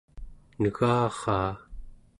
negaraa